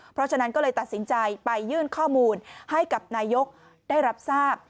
เพราะฉะนั้นก็เลยตัดสินใจไปยื่นข้อมูลให้กับนายกได้รับทราบ